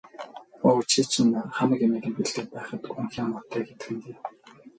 Өө, чи чинь хамаг юмыг нь бэлдээд байхад унхиа муутай гэдэг нь дээ.